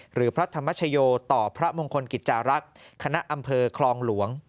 หรือพระธรรมชโยต่อพระมงคลกิจจารักษ์คณะอำเภอคลองหลวง